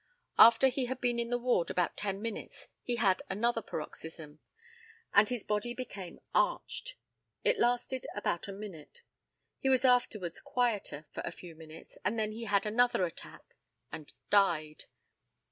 After he had been in the ward about ten minutes he had another paroxysm, and his body became arched; it lasted about a minute. He was afterwards quieter for a few minutes, and then had another attack and died.